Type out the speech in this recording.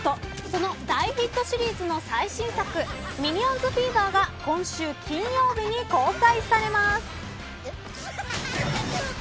その大ヒットシリーズの最新作ミニオンズフィーバーが今週金曜日に公開されます。